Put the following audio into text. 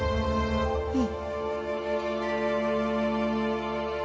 うん。